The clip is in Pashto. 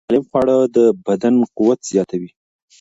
سالم خواړه د بدن قوت زیاتوي.